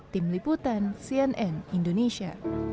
tim liputan cnn indonesia